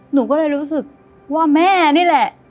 หนูก็เลยรู้สึกว่าแม่นี่แหละ